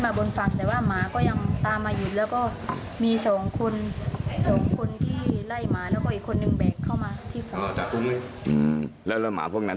มันก็ไม่ไปไหนทีแล้วก็หนูบอกว่า